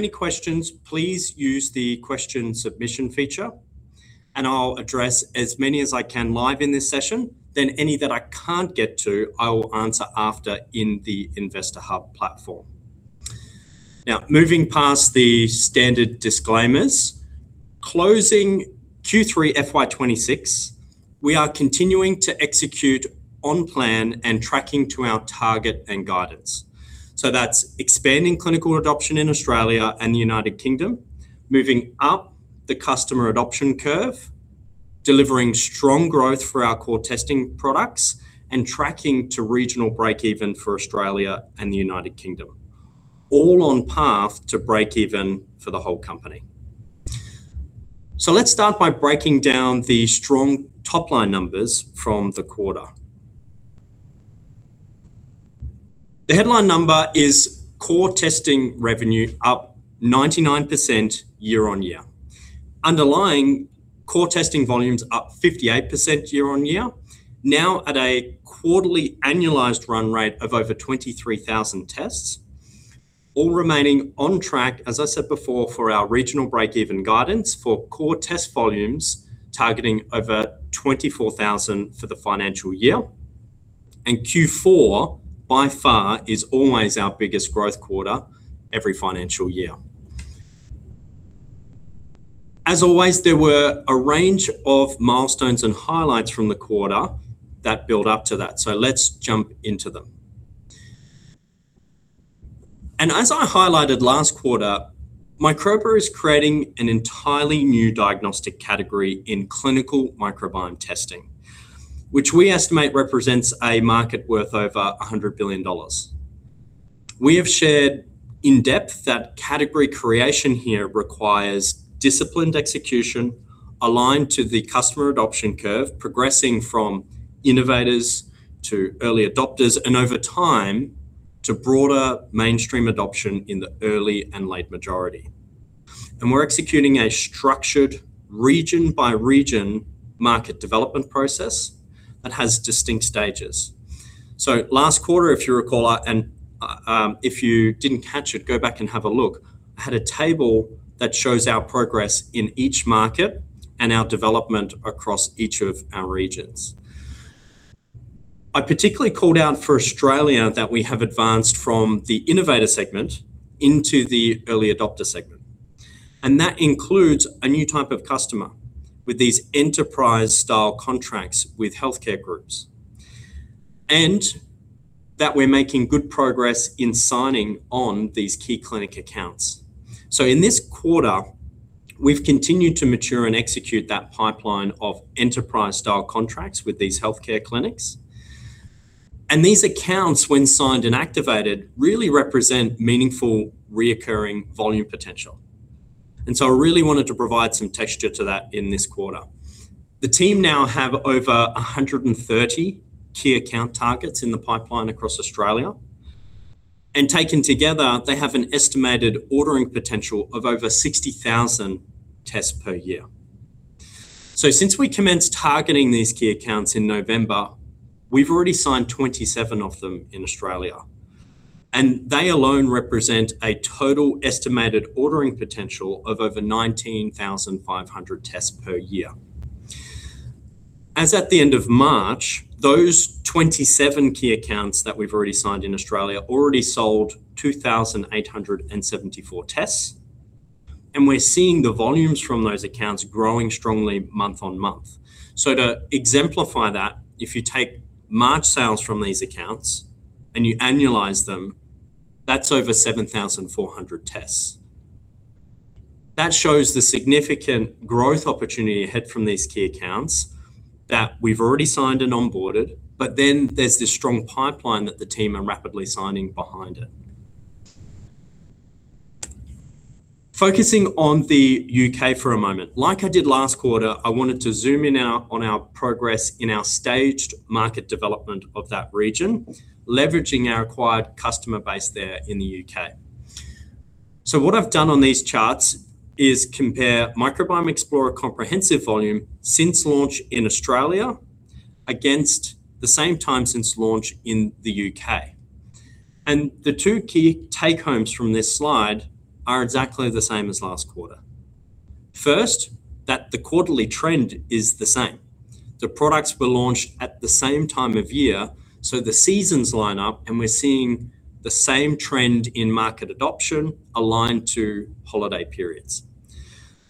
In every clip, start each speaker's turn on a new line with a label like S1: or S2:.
S1: Any questions, please use the question submission feature, and I'll address as many as I can live in this session. Any that I can't get to, I will answer after in the Investor Hub platform. Moving past the standard disclaimers. Closing Q3 FY 2026, we are continuing to execute on plan and tracking to our target and guidance. That's expanding clinical adoption in Australia and the United Kingdom, moving up the customer adoption curve, delivering strong growth for our core testing products, and tracking to regional break even for Australia and the United Kingdom. All on path to break even for the whole company. Let's start by breaking down the strong top-line numbers from the quarter. The headline number is core testing revenue up 99% year-on-year. Underlying core testing volumes up 58% year-on-year, now at a quarterly annualized run rate of over 23,000 tests. All remaining on track, as I said before, for our regional break even guidance for core test volumes targeting over 24,000 for the financial year. Q4, by far, is always our biggest growth quarter every financial year. As always, there were a range of milestones and highlights from the quarter that build up to that, so let's jump into them. As I highlighted last quarter, Microba is creating an entirely new diagnostic category in clinical microbiome testing, which we estimate represents a market worth over 100 billion dollars. We have shared in depth that category creation here requires disciplined execution aligned to the customer adoption curve, progressing from innovators to early adopters, and over time, to broader mainstream adoption in the early and late majority. We're executing a structured region by region market development process that has distinct stages. Last quarter, if you recall, and, if you didn't catch it, go back and have a look, had a table that shows our progress in each market and our development across each of our regions. I particularly called out for Australia that we have advanced from the innovator segment into the early adopter segment, and that includes a new type of customer with these enterprise-style contracts with healthcare groups, and that we're making good progress in signing on these key clinic accounts. In this quarter, we've continued to mature and execute that pipeline of enterprise-style contracts with these healthcare clinics. These accounts, when signed and activated, really represent meaningful recurring volume potential. I really wanted to provide some texture to that in this quarter. The team now have over 130 key account targets in the pipeline across Australia, and taken together, they have an estimated ordering potential of over 60,000 tests per year. Since we commenced targeting these key accounts in November, we've already signed 27 of them in Australia, and they alone represent a total estimated ordering potential of over 19,500 tests per year. As at the end of March, those 27 key accounts that we've already signed in Australia already sold 2,874 tests, and we're seeing the volumes from those accounts growing strongly month-on-month. To exemplify that, if you take March sales from these accounts and you annualize them, that's over 7,400 tests. That shows the significant growth opportunity ahead from these key accounts that we've already signed and onboarded, but then there's this strong pipeline that the team are rapidly signing behind it. Focusing on the U.K. for a moment. Like I did last quarter, I wanted to zoom in on our progress in our staged market development of that region, leveraging our acquired customer base there in the U.K. What I've done on these charts is compare Microbiome Explorer comprehensive volume since launch in Australia against the same time since launch in the U.K. The two key take homes from this slide are exactly the same as last quarter. First, that the quarterly trend is the same. The products were launched at the same time of year, so the seasons line up, and we're seeing the same trend in market adoption aligned to holiday periods.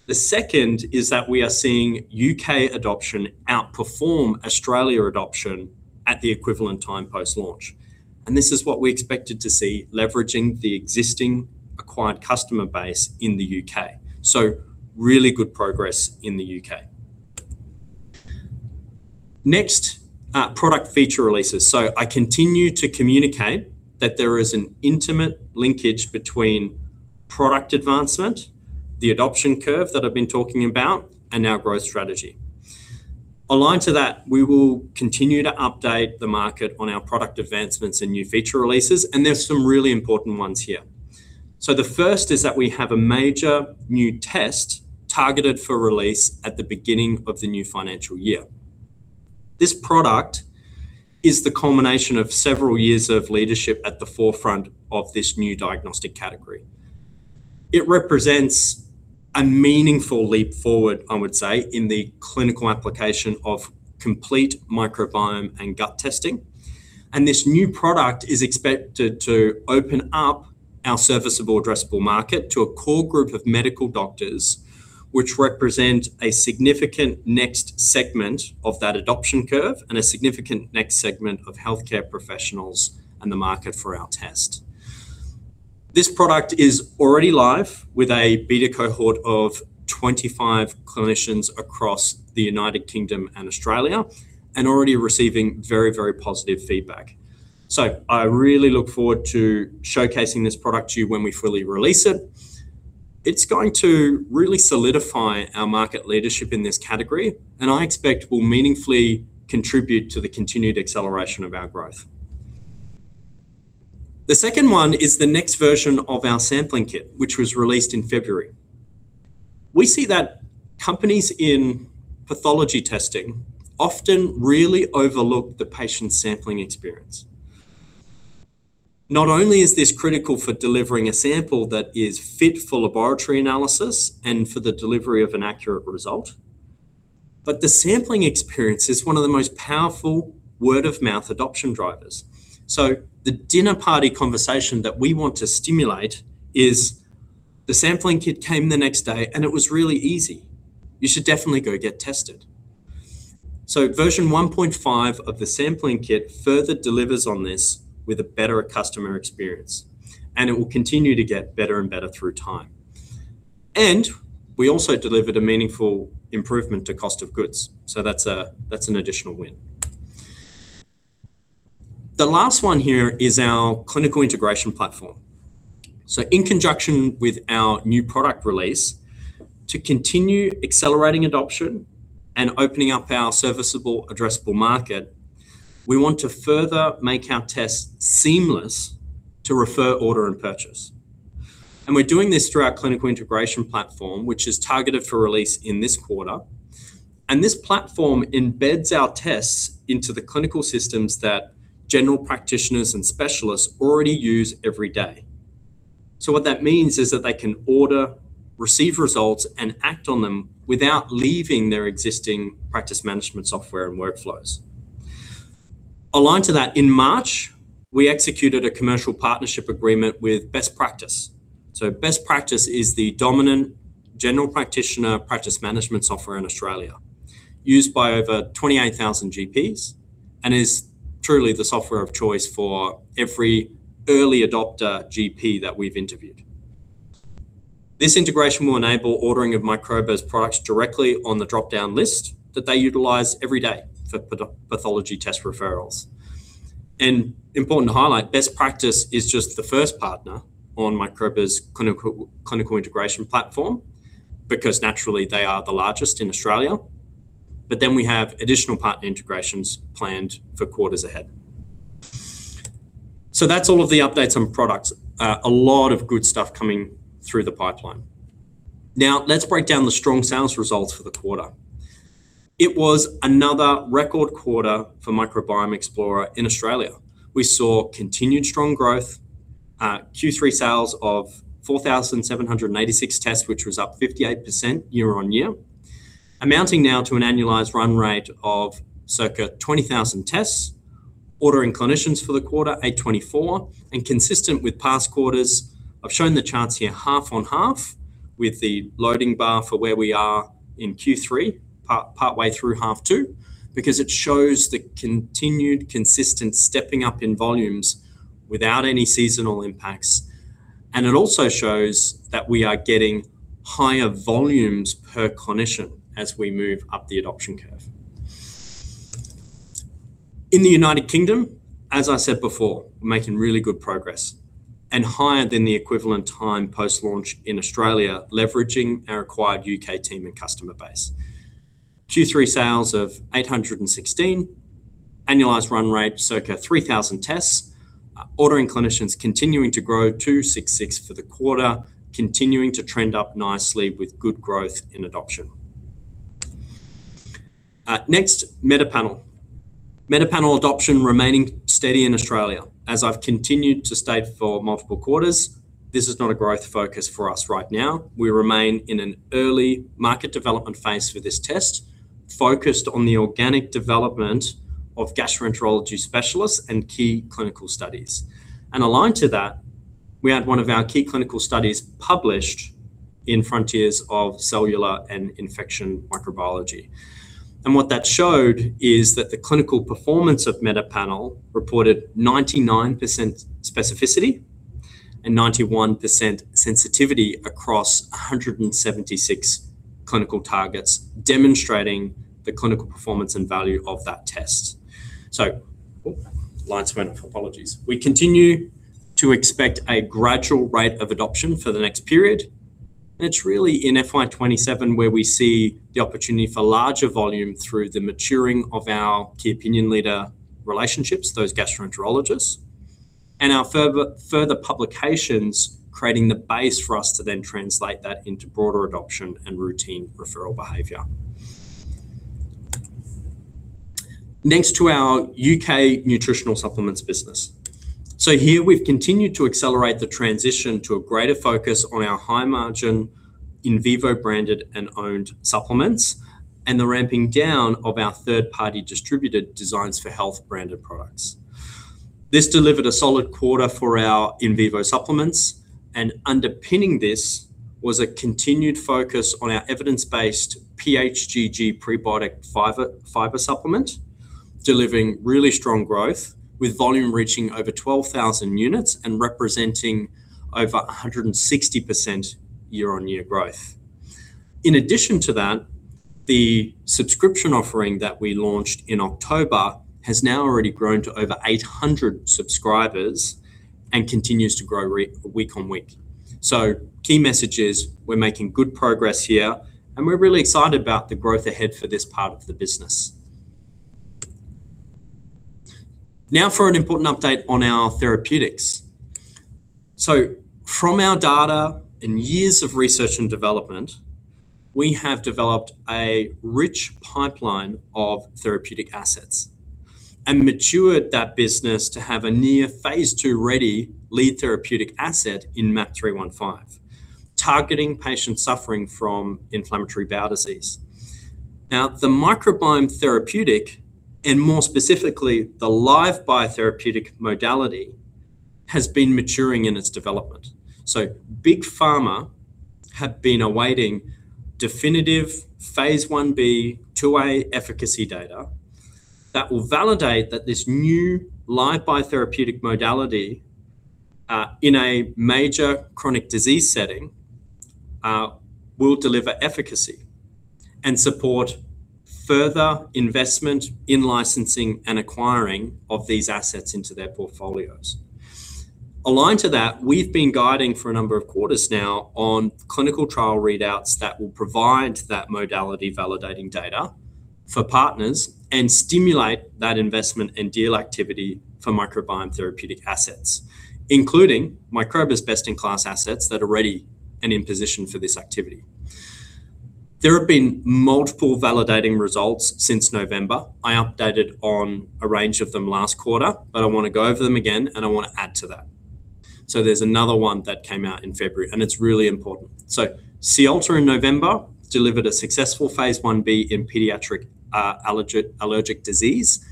S1: The second is that we are seeing U.K. adoption outperform Australia adoption at the equivalent time post-launch. This is what we expected to see leveraging the existing acquired customer base in the U.K. Really good progress in the U.K. Next, product feature releases. I continue to communicate that there is an intimate linkage between product advancement, the adoption curve that I've been talking about, and our growth strategy. Aligned to that, we will continue to update the market on our product advancements and new feature releases, and there's some really important ones here. The first is that we have a major new test targeted for release at the beginning of the new financial year. This product is the culmination of several years of leadership at the forefront of this new diagnostic category. It represents a meaningful leap forward, I would say, in the clinical application of complete microbiome and gut testing, and this new product is expected to open up our serviceable addressable market to a core group of medical doctors which represent a significant next segment of that adoption curve, and a significant next segment of healthcare professionals and the market for our test. This product is already live with a beta cohort of 25 clinicians across the United Kingdom and Australia, and already receiving very, very positive feedback. I really look forward to showcasing this product to you when we fully release it. It's going to really solidify our market leadership in this category, and I expect will meaningfully contribute to the continued acceleration of our growth. The second one is the next version of our sampling kit, which was released in February. We see that companies in pathology testing often really overlook the patient sampling experience. Not only is this critical for delivering a sample that is fit for laboratory analysis and for the delivery of an accurate result, but the sampling experience is one of the most powerful word-of-mouth adoption drivers. The dinner party conversation that we want to stimulate is, "The sampling kit came the next day, and it was really easy. You should definitely go get tested." Version 1.5 of the sampling kit further delivers on this with a better customer experience, and it will continue to get better and better through time, and we also delivered a meaningful improvement to cost of goods, that's an additional win. The last one here is our Clinical Integration Platform. In conjunction with our new product release, to continue accelerating adoption and opening up our serviceable addressable market, we want to further make our tests seamless to refer, order, and purchase. We're doing this through our Clinical Integration Platform, which is targeted for release in this quarter, and this platform embeds our tests into the clinical systems that general practitioners and specialists already use every day. What that means is that they can order, receive results, and act on them without leaving their existing practice management software and workflows. Aligned to that, in March, we executed a commercial partnership agreement with Best Practice. Best Practice is the dominant general practitioner practice management software in Australia used by over 28,000 GPs, and is truly the software of choice for every early adopter GP that we've interviewed. This integration will enable ordering of Microba's products directly on the drop-down list that they utilize every day for pathology test referrals. Important to highlight, Best Practice is just the first partner on Microba's Clinical Integration Platform because naturally they are the largest in Australia, we have additional partner integrations planned for quarters ahead. That's all of the updates on products. A lot of good stuff coming through the pipeline. Let's break down the strong sales results for the quarter. It was another record quarter for Microbiome Explorer in Australia. We saw continued strong growth. Q3 sales of 4,786 tests, which was up 58% year-on-year, amounting now to an annualized run rate of circa 20,000 tests. Ordering clinicians for the quarter, 824. Consistent with past quarters, I've shown the charts here half on half with the loading bar for where we are in Q3 part, partway through half two, because it shows the continued consistent stepping up in volumes without any seasonal impacts, and it also shows that we are getting higher volumes per clinician as we move up the adoption curve. In the United Kingdom, as I said before, we're making really good progress and higher than the equivalent time post-launch in Australia, leveraging our acquired U.K. team and customer base. Q3 sales of 816. Annualized run rate circa 3,000 tests. Ordering clinicians continuing to grow to 66 for the quarter, continuing to trend up nicely with good growth in adoption. Next, MetaPanel. MetaPanel adoption remaining steady in Australia. As I've continued to state for multiple quarters, this is not a growth focus for us right now. We remain in an early market development phase for this test, focused on the organic development of gastroenterology specialists and key clinical studies. Aligned to that, we had one of our key clinical studies published in Frontiers in Cellular and Infection Microbiology. What that showed is that the clinical performance of MetaPanel reported 99% specificity and 91% sensitivity across 176 clinical targets, demonstrating the clinical performance and value of that test. Oh, lights went. Apologies. We continue to expect a gradual rate of adoption for the next period, and it's really in FY 2027 where we see the opportunity for larger volume through the maturing of our key opinion leader relationships, those gastroenterologists. Our further publications creating the base for us to then translate that into broader adoption and routine referral behavior. Next to our U.K. nutritional supplements business. Here we've continued to accelerate the transition to a greater focus on our high margin, Invivo branded and owned supplements, and the ramping down of our third-party distributed Designs for Health branded products. This delivered a solid quarter for our Invivo supplements, and underpinning this was a continued focus on our evidence-based PHGG prebiotic fiber supplement, delivering really strong growth with volume reaching over 12,000 units and representing over 160% year-on-year growth. In addition to that, the subscription offering that we launched in October has now already grown to over 800 subscribers and continues to grow re-week on week. Key messages, we're making good progress here, and we're really excited about the growth ahead for this part of the business. For an important update on our therapeutics. From our data and years of research and development, we have developed a rich pipeline of therapeutic assets and matured that business to have a near phase II-ready lead therapeutic asset in MAP315, targeting patients suffering from inflammatory bowel disease. The microbiome therapeutic, and more specifically, the live biotherapeutic modality, has been maturing in its development. Big pharma have been awaiting definitive phase I-B/II efficacy data that will validate that this new live biotherapeutic modality, in a major chronic disease setting, will deliver efficacy and support further investment in licensing and acquiring of these assets into their portfolios. Aligned to that, we've been guiding for a number of quarters now on clinical trial readouts that will provide that modality validating data for partners and stimulate that investment and deal activity for microbiome therapeutic assets, including Microba's best in class assets that are ready and in position for this activity. There have been multiple validating results since November. I updated on a range of them last quarter, but I wanna go over them again, and I wanna add to that. There's another one that came out in February, and it's really important. Siolta in November delivered a successful phase I-B in pediatric allergic disease,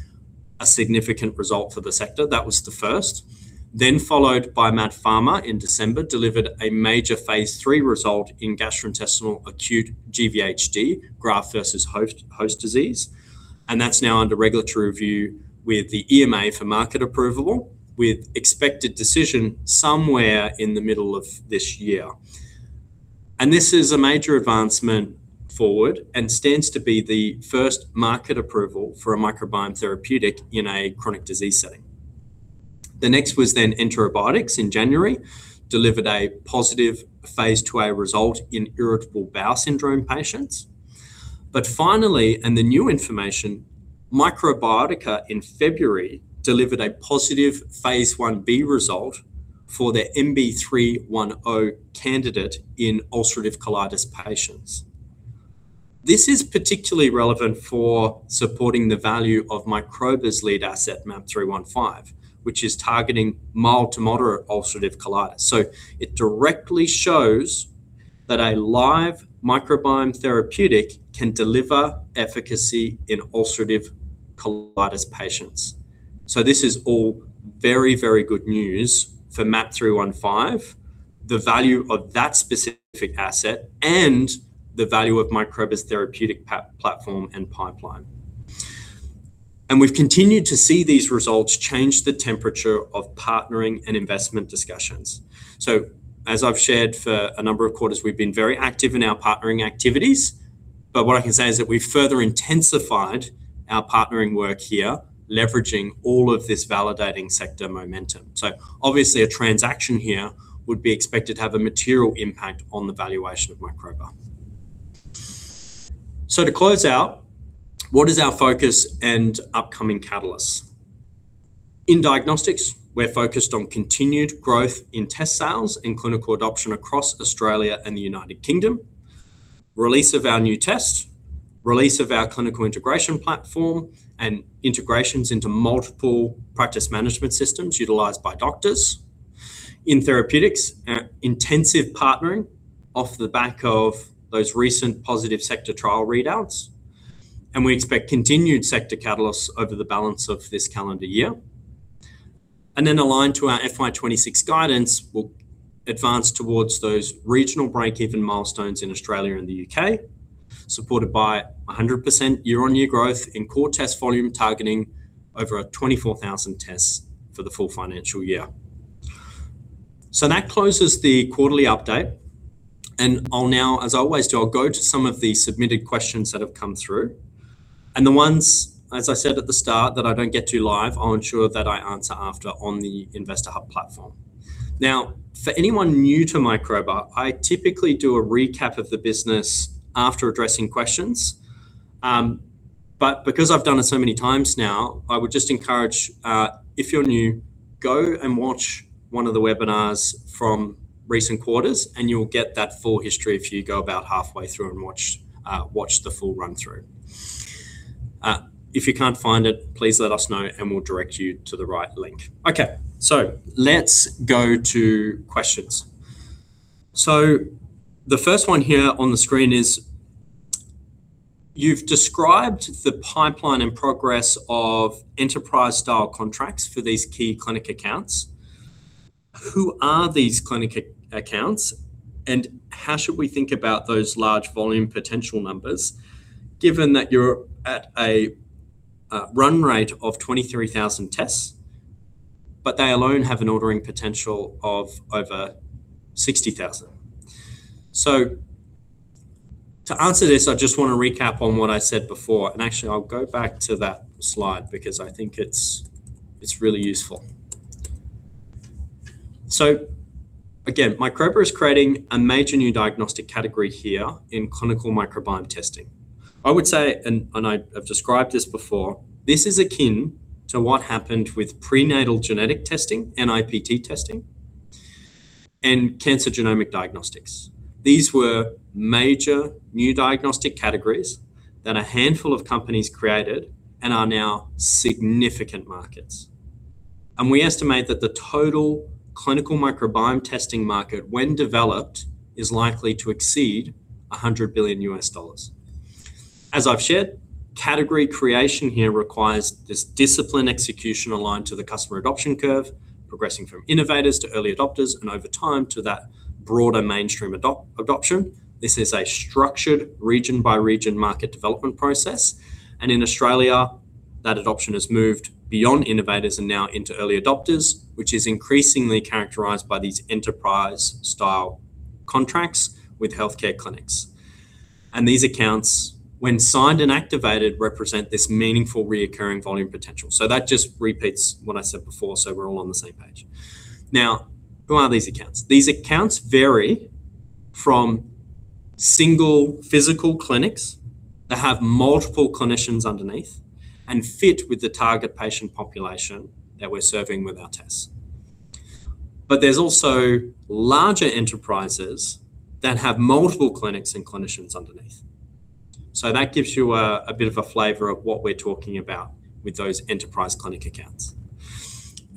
S1: a significant result for the sector that was the first. Followed by MaaT Pharma in December, delivered a major phase III result in gastrointestinal acute GVHD, graft versus host disease, and that's now under regulatory review with the EMA for market approval, with expected decision somewhere in the middle of this year. This is a major advancement forward and stands to be the first market approval for a microbiome therapeutic in a chronic disease setting. The next was then EnteroBiotix in January, delivered a positive phase II-A result in irritable bowel syndrome patients. finally, and the new information, Microbiotica in February delivered a positive phase I-B result for their MB310 candidate in ulcerative colitis patients. This is particularly relevant for supporting the value of Microba's lead asset, MAP315, which is targeting mild to moderate ulcerative colitis. It directly shows that a live biotherapeutic can deliver efficacy in ulcerative colitis patients. This is all very good news for MAP315, the value of that specific asset, and the value of Microba's therapeutic platform and pipeline. We've continued to see these results change the temperature of partnering and investment discussions. As I've shared for a number of quarters, we've been very active in our partnering activities. What I can say is that we've further intensified our partnering work here, leveraging all of this validating sector momentum. Obviously, a transaction here would be expected to have a material impact on the valuation of Microba. To close out, what is our focus and upcoming catalysts? In diagnostics, we're focused on continued growth in test sales and clinical adoption across Australia and the United Kingdom, release of our new test, release of our Clinical Integration Platform, and integrations into multiple practice management systems utilized by doctors. In therapeutics, intensive partnering off the back of those recent positive sector trial readouts, we expect continued sector catalysts over the balance of this calendar year. Aligned to our FY 2026 guidance, we'll advance towards those regional break-even milestones in Australia and the U.K., supported by 100% year-on-year growth in core test volume targeting over 24,000 tests for the full financial year. That closes the quarterly update. I'll now, as I always do, I'll go to some of the submitted questions that have come through. The ones, as I said at the start, that I don't get to live, I'll ensure that I answer after on the Investor Hub platform. For anyone new to Microba, I typically do a recap of the business after addressing questions. Because I've done it so many times now, I would just encourage, if you're new, go and watch one of the webinars from recent quarters, and you'll get that full history if you go about halfway through and watch the full run-through. If you can't find it, please let us know and we'll direct you to the right link. Let's go to questions. The first one here on the screen is, "You've described the pipeline and progress of enterprise-style contracts for these key clinic accounts? Who are these clinic accounts, and how should we think about those large volume potential numbers, given that you're at a run rate of 23,000 tests, but they alone have an ordering potential of over 60,000? To answer this, I just want to recap on what I said before, and actually I'll go back to that slide because I think it's really useful. Again, Microba is creating a major new diagnostic category here in clinical microbiome testing. I would say, and I have described this before, this is akin to what happened with prenatal genetic testing, NIPT testing, and cancer genomic diagnostics. These were major new diagnostic categories that a handful of companies created and are now significant markets. We estimate that the total clinical microbiome testing market, when developed, is likely to exceed $100 billion. As I've shared, category creation here requires this discipline execution aligned to the customer adoption curve, progressing from innovators to early adopters, and over time to that broader mainstream adoption. This is a structured region-by-region market development process. In Australia, that adoption has moved beyond innovators and now into early adopters, which is increasingly characterized by these enterprise-style contracts with healthcare clinics. These accounts, when signed and activated, represent this meaningful reoccurring volume potential. That just repeats what I said before so we're all on the same page. Now, who are these accounts? These accounts vary from single physical clinics that have multiple clinicians underneath and fit with the target patient population that we're serving with our tests. There's also larger enterprises that have multiple clinics and clinicians underneath. That gives you a bit of a flavor of what we're talking about with those enterprise clinic accounts.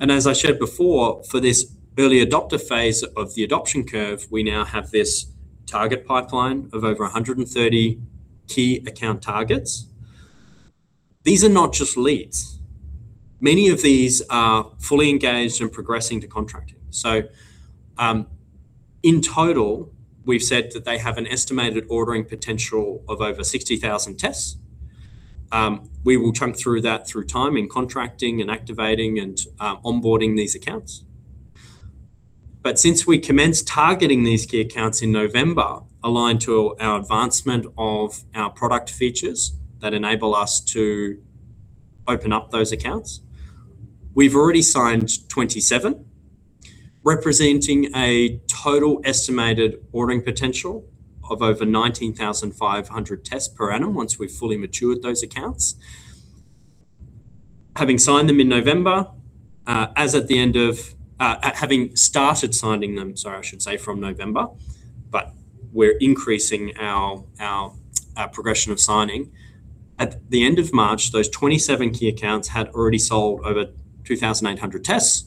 S1: As I shared before, for this early adopter phase of the adoption curve, we now have this target pipeline of over 130 key account targets. These are not just leads. Many of these are fully engaged and progressing to contracting. In total, we've said that they have an estimated ordering potential of over 60,000 tests. We will chug through that through time in contracting and activating and onboarding these accounts. Since we commenced targeting these key accounts in November, aligned to our advancement of our product features that enable us to open up those accounts, we've already signed 27, representing a total estimated ordering potential of over 19,500 tests per annum once we've fully matured those accounts. Having signed them in November, having started signing them, sorry, I should say, from November, but we're increasing our, our progression of signing. At the end of March, those 27 key accounts had already sold over 2,800 tests,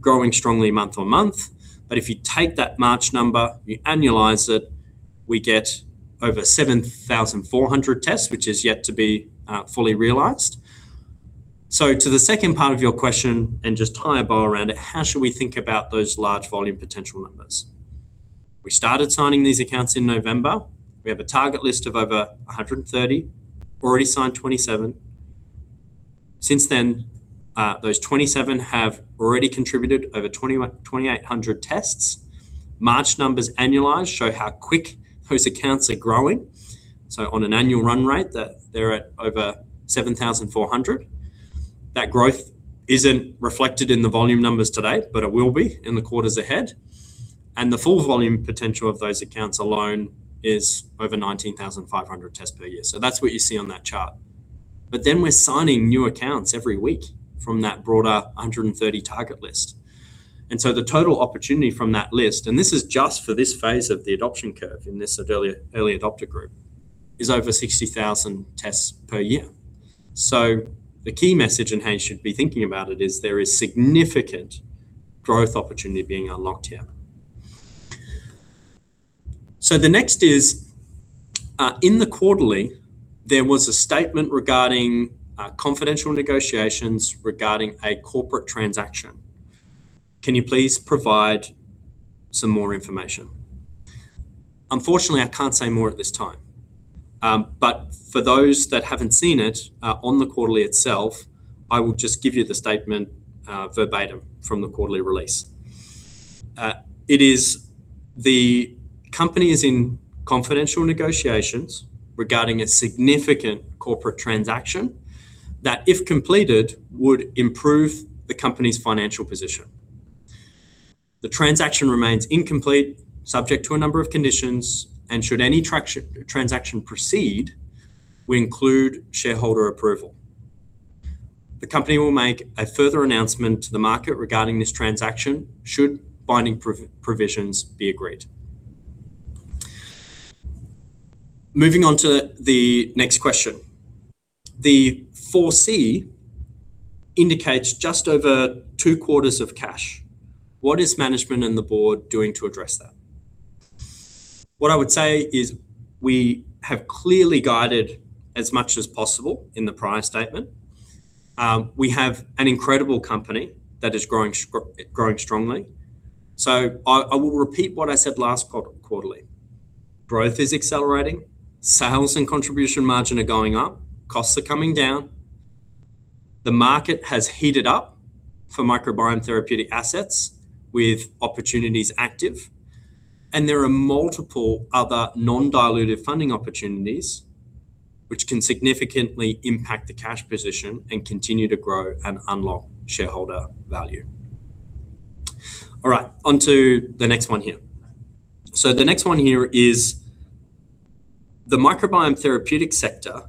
S1: growing strongly month-on-month. If you take that March number, you annualize it, we get over 7,400 tests, which is yet to be fully realized. To the second part of your question, and just tie a bow around it, how should we think about those large volume potential numbers? We started signing these accounts in November. We have a target list of over 130, already signed 27. Since then, those 27 have already contributed over 2,800 tests. March numbers annualized show how quick those accounts are growing. On an annual run rate that they're at over 7,400. That growth isn't reflected in the volume numbers today, but it will be in the quarters ahead, and the full volume potential of those accounts alone is over 19,500 tests per year. That's what you see on that chart. We're signing new accounts every week from that broader 130 target list. The total opportunity from that list, and this is just for this phase of the adoption curve in this early adopter group, is over 60,000 tests per year. The key message, and how you should be thinking about it is, there is significant growth opportunity being unlocked here. The next is, "In the quarterly, there was a statement regarding confidential negotiations regarding a corporate transaction. Can you please provide some more information?" Unfortunately, I can't say more at this time. For those that haven't seen it, on the quarterly itself, I will just give you the statement verbatim from the quarterly release. The company is in confidential negotiations regarding a significant corporate transaction that, if completed, would improve the company's financial position. The transaction remains incomplete, subject to a number of conditions, and should any transaction proceed, will include shareholder approval. The company will make a further announcement to the market regarding this transaction should binding provisions be agreed. Moving on to the next question. The 4C indicates just over two quarters of cash. What is management and the board doing to address that? What I would say is we have clearly guided as much as possible in the prior statement. We have an incredible company that is growing strongly. I will repeat what I said last quarterly. Growth is accelerating, sales and contribution margin are going up, costs are coming down. The market has heated up for microbiome therapeutic assets with opportunities active, and there are multiple other non-dilutive funding opportunities which can significantly impact the cash position and continue to grow and unlock shareholder value. All right, on to the next one here. The next one here is the microbiome therapeutic sector.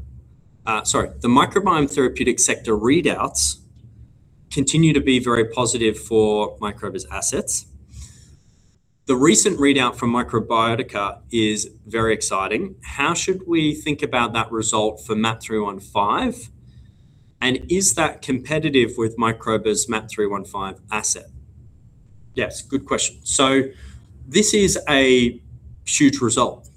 S1: Sorry, the microbiome therapeutic sector readouts continue to be very positive for Microbiotica's assets? The recent readout from Microbiotica is very exciting. How should we think about that result for MAP315, and is that competitive with Microbiotica's MAP315 asset? Yes, good question. This is a huge result.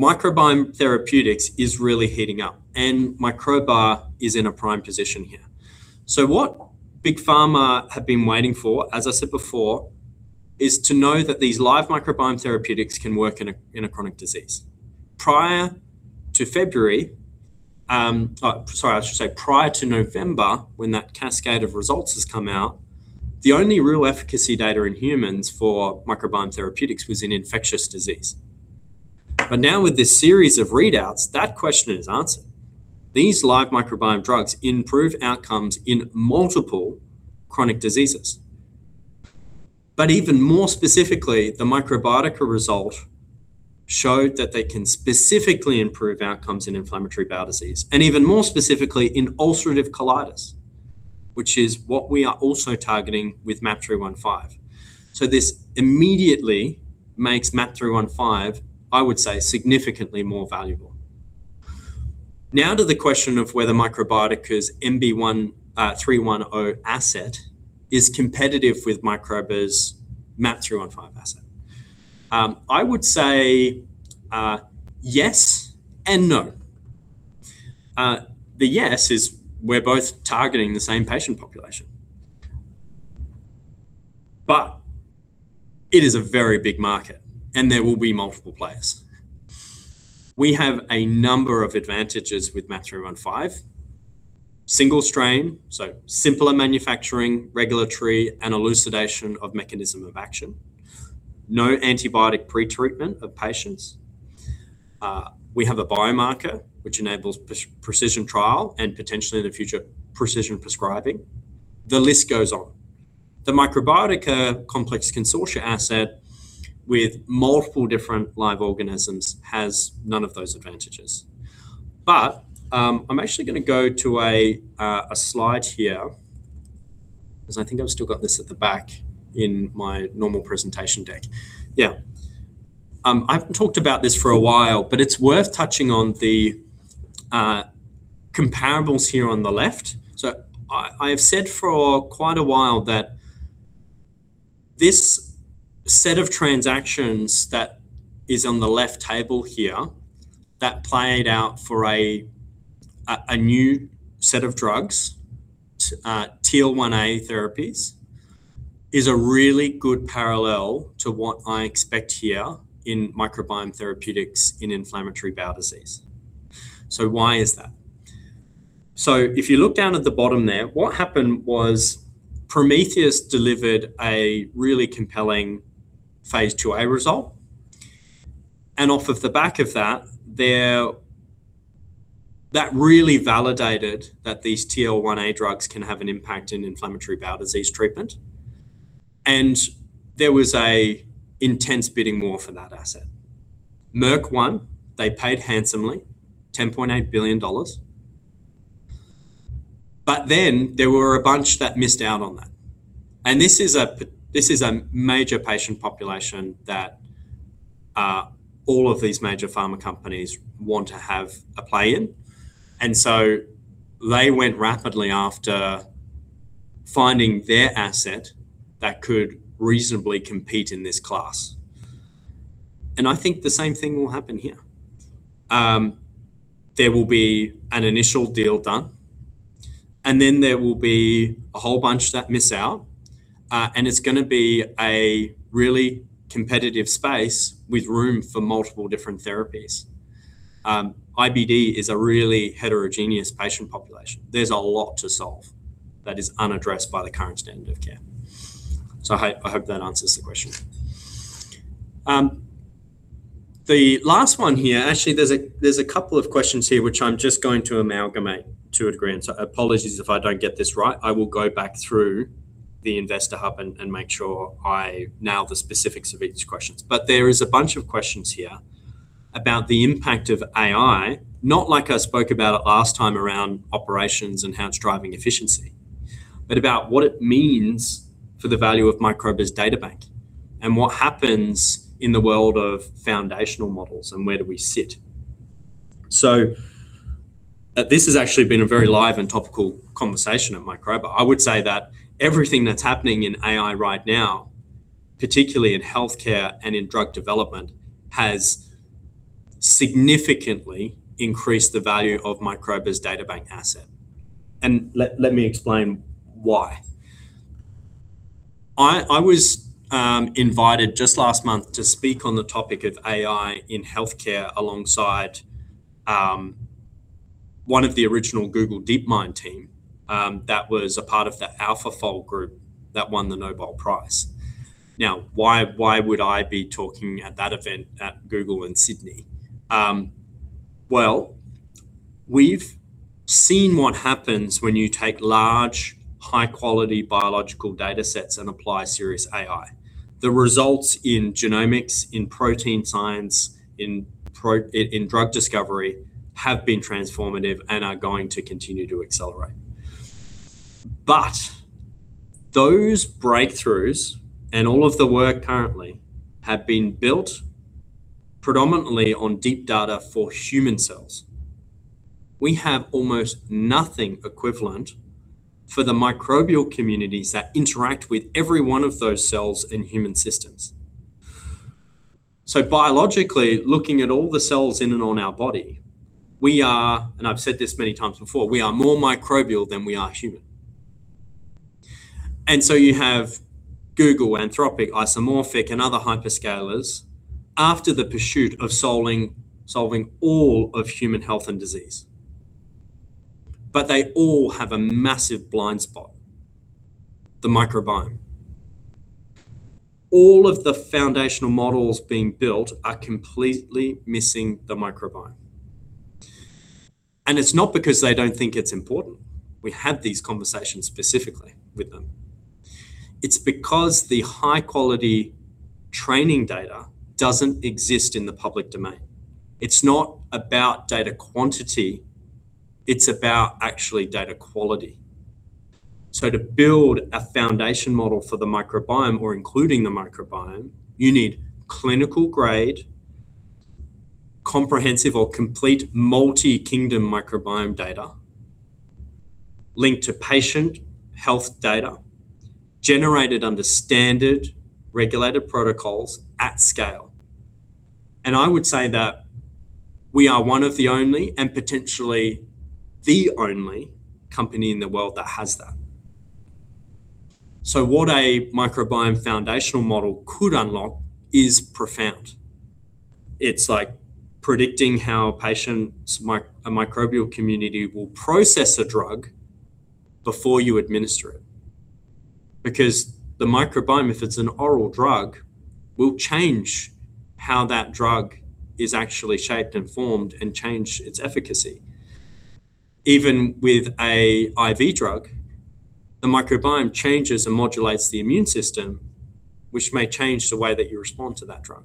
S1: Microbiome therapeutics is really heating up, and Microba is in a prime position here. What big pharma have been waiting for, as I said before, is to know that these live microbiome therapeutics can work in a chronic disease. Prior to February, I should say prior to November, when that cascade of results has come out, the only real efficacy data in humans for microbiome therapeutics was in infectious disease. Now with this series of readouts, that question is answered. These live microbiome drugs improve outcomes in multiple chronic diseases. Even more specifically, the Microbiotica result showed that they can specifically improve outcomes in inflammatory bowel disease, and even more specifically in ulcerative colitis, which is what we are also targeting with MAP315. This immediately makes MAP315, I would say, significantly more valuable. Now to the question of whether Microbiotica's MB310 asset is competitive with Microba's MAP315 asset. I would say, yes and no. The yes is we're both targeting the same patient population. It is a very big market, and there will be multiple players. We have a number of advantages with MAP315. Single strain, so simpler manufacturing, regulatory, and elucidation of mechanism of action. No antibiotic pretreatment of patients. We have a biomarker which enables precision trial and potentially in the future, precision prescribing. The list goes on. The Microbiotica complex consortia asset with multiple different live organisms has none of those advantages. I'm actually gonna go to a slide here 'cause I think I've still got this at the back in my normal presentation deck. Yeah. I've talked about this for a while, it's worth touching on the comparables here on the left. I have said for quite a while that this set of transactions that is on the left table here that played out for a new set of drugs, TL1A therapies, is a really good parallel to what I expect here in microbiome therapeutics in inflammatory bowel disease. Why is that? If you look down at the bottom there, what happened was Prometheus delivered a really compelling phase II-A result. Off of the back of that really validated that these TL1A drugs can have an impact in inflammatory bowel disease treatment, and there was a intense bidding war for that asset. Merck won. They paid handsomely, $10.8 billion. There were a bunch that missed out on that, and this is a major patient population that all of these major pharma companies want to have a play in. They went rapidly after finding their asset that could reasonably compete in this class. I think the same thing will happen here. There will be an initial deal done, and then there will be a whole bunch that miss out, and it's going to be a really competitive space with room for multiple different therapies. IBD is a really heterogeneous patient population. There's a lot to solve that is unaddressed by the current standard of care. I hope that answers the question. The last one here, actually, there's a couple of questions here which I'm just going to amalgamate to a degree. Apologies if I don't get this right. I will go back through the Investor Hub and make sure I nail the specifics of each questions. There is a bunch of questions here about the impact of AI, not like I spoke about it last time around operations and how it is driving efficiency, but about what it means for the value of Microba's databank and what happens in the world of foundational models and where do we sit. This has actually been a very live and topical conversation at Microba. I would say that everything that is happening in AI right now, particularly in healthcare and in drug development, has significantly increased the value of Microba's databank asset. Let me explain why. I was invited just last month to speak on the topic of AI in healthcare alongside one of the original Google DeepMind team that was a part of the AlphaFold group that won the Nobel Prize. Why would I be talking at that event at Google in Sydney? Well, we've seen what happens when you take large, high quality biological data sets and apply serious AI. The results in genomics, in protein science, in drug discovery have been transformative and are going to continue to accelerate. Those breakthroughs and all of the work currently have been built predominantly on deep data for human cells. We have almost nothing equivalent for the microbial communities that interact with every one of those cells in human systems. Biologically, looking at all the cells in and on our body, we are, and I've said this many times before, we are more microbial than we are human. You have Google, Anthropic, Isomorphic and other hyperscalers after the pursuit of solving all of human health and disease. They all have a massive blind spot, the microbiome. All of the foundational models being built are completely missing the microbiome. It's not because they don't think it's important. We had these conversations specifically with them. It's because the high quality training data doesn't exist in the public domain. It's not about data quantity, it's about actually data quality. To build a foundation model for the microbiome or including the microbiome, you need clinical grade, comprehensive or complete multi-kingdom microbiome data linked to patient health data generated under standard regulated protocols at scale. I would say that we are one of the only, and potentially the only company in the world that has that. What a microbiome foundational model could unlock is profound. It's like predicting how a patient's microbial community will process a drug before you administer it, because the microbiome, if it's an oral drug, will change how that drug is actually shaped and formed and change its efficacy. Even with a IV drug, the microbiome changes and modulates the immune system, which may change the way that you respond to that drug.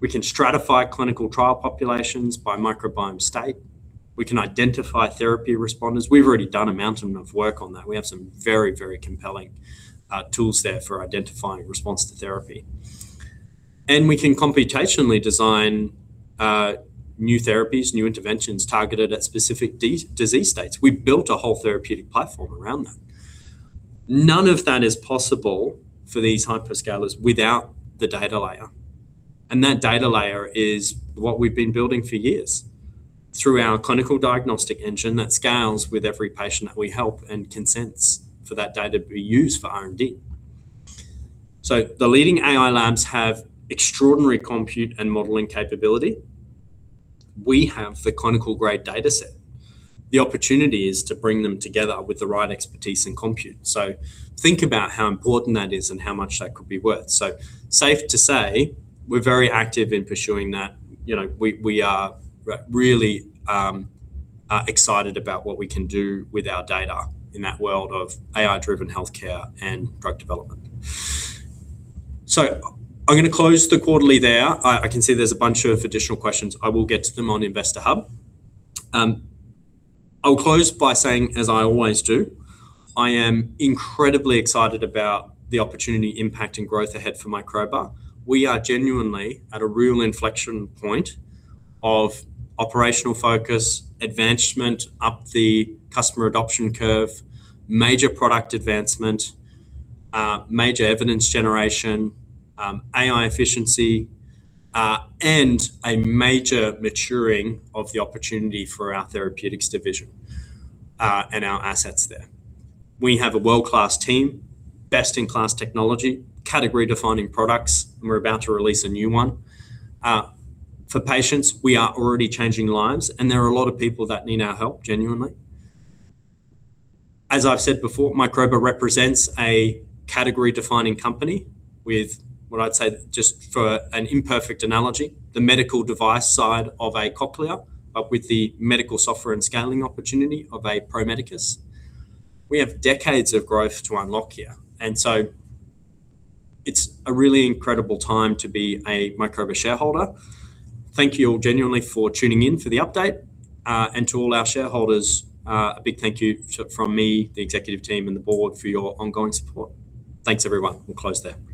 S1: We can stratify clinical trial populations by microbiome state. We can identify therapy responders. We've already done a mountain of work on that. We have some very compelling tools there for identifying response to therapy. We can computationally design new therapies, new interventions targeted at specific disease states. We built a whole therapeutic platform around that. None of that is possible for these hyperscalers without the data layer, and that data layer is what we've been building for years through our clinical diagnostic engine that scales with every patient that we help and consents for that data to be used for R&D. The leading AI labs have extraordinary compute and modeling capability. We have the clinical grade data set. The opportunity is to bring them together with the right expertise and compute. Think about how important that is and how much that could be worth. Safe to say we're very active in pursuing that. You know, we are really excited about what we can do with our data in that world of AI-driven healthcare and drug development. I'm gonna close the quarterly there. I can see there's a bunch of additional questions. I will get to them on Investor Hub. I'll close by saying, as I always do, I am incredibly excited about the opportunity, impact and growth ahead for Microba. We are genuinely at a real inflection point of operational focus, advancement up the customer adoption curve, major product advancement, major evidence generation, AI efficiency, and a major maturing of the opportunity for our therapeutics division and our assets there. We have a world-class team, best-in-class technology, category-defining products, and we're about to release a new one. For patients, we are already changing lives, and there are a lot of people that need our help genuinely. As I've said before, Microba represents a category-defining company with what I'd say just for an imperfect analogy, the medical device side of a Cochlear, but with the medical software and scaling opportunity of a Pro Medicus. We have decades of growth to unlock here. It's a really incredible time to be a Microba shareholder. Thank you all genuinely for tuning in for the update. To all our shareholders, a big thank you from me, the executive team and the board for your ongoing support. Thanks everyone. We'll close there.